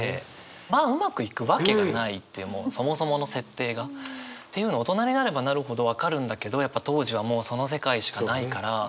まあうまくいくわけがないってもうそもそもの設定が。っていうのを大人になればなるほど分かるんだけどやっぱ当時はもうその世界しかないから。